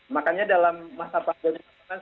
makanya dalam masa pasca pasca saya